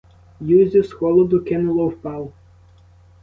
Юзю з холоду кинуло в пал.